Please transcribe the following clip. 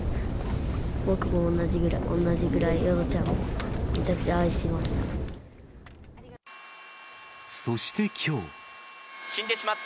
僕も同じくらい、同じぐらい淀ちゃんをめちゃくちゃ愛していました。